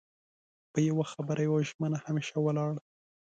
په يو خبره يوه ژمنه همېشه ولاړ